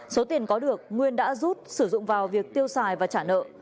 số tiền có được nguyên đã rút sử dụng vào việc tiêu xài và trả nợ